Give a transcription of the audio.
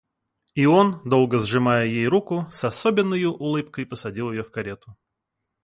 И он, долго сжимая ей руку, с особенною улыбкой посадил ее в карету.